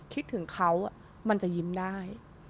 คิดถึงเขามันจะยิ้มได้